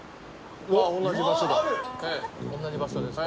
同じ場所ですか？